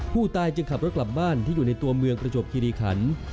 ผู้ตายจึงขับรถกลับบ้านที่อยู่ในตัวเมืองประจวบคิริขัน